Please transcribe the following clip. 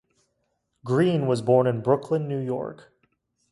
Green was born in Brooklyn, New York.